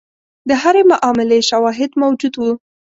د هرې معاملې شواهد موجود وو.